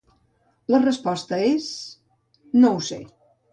La resposta és… no ho sé.